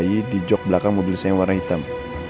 itu mobil yang ada di jok belakang mobil saya warna hitam